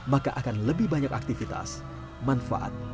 maka akan lebih banyak aktivitas manfaat